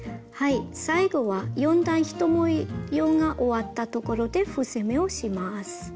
最後は４段１模様が終わったところで伏せ目をします。